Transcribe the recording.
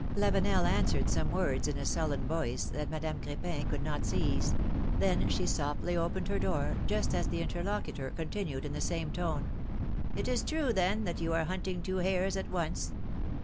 " Lavenel answered some words in a sullen voice, that Madame Cr^pin could not seize ; then she softly opened her door, just as the interlocutor continued in the same tone: ^^It is true then, that you are hunting two hares at once